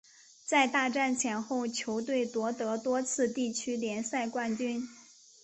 在大战前后球队夺得多次地区联赛冠军。